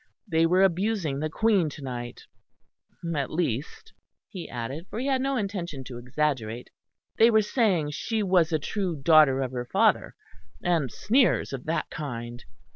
They were abusing the Queen to night at least," he added, for he had no intention to exaggerate, "they were saying she was a true daughter of her father; and sneers of that kind.